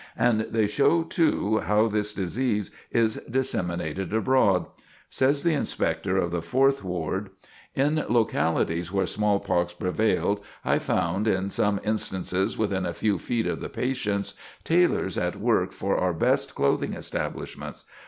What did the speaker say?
And they show, too, how this disease is disseminated abroad. Says the Inspector of the Fourth Ward: [Sidenote: Smallpox in Tailored Garments] "In localities where smallpox prevailed I found, in some instances within a few feet of the patients, tailors at work for our best clothing establishments.